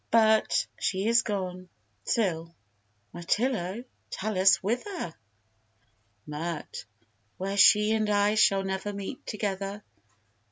But she is gone. SIL. Mirtillo, tell us whither? MIRT. Where she and I shall never meet together.